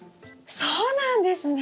そうなんですね！